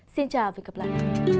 xin chào và hẹn gặp lại